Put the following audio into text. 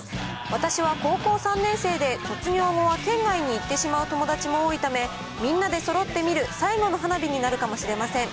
私は高校３年生で、卒業後は県外に行ってしまう友達も多いため、みんなでそろって見る最後の花火になるかもしれません。